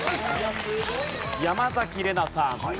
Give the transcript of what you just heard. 山崎怜奈さん。